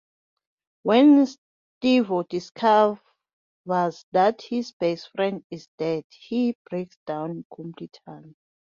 When Stevo discovers that his best friend is dead, he breaks down completely.